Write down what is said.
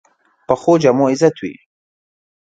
پخو جامو عزت وي